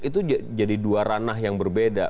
itu jadi dua ranah yang berbeda